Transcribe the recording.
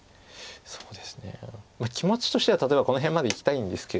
そうですね気持ちとしては例えばこの辺までいきたいんですけれども。